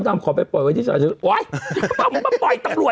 อ๋อถูกแต่ผมมันกลัวแมว